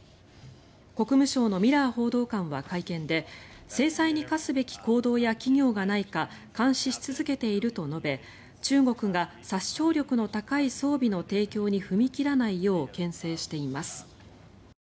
国務省のミラー報道官は会見で制裁に科すべき行動や企業がないか監視し続けていると述べ中国が殺傷力の高い装備の提供に踏み切らないようけん制しています。